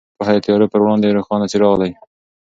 پوهه د تیارو پر وړاندې روښان څراغ دی.